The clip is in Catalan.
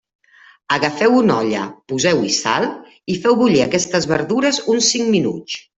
Agafeu una olla, poseu-hi sal i feu bullir aquestes verdures uns cinc minuts.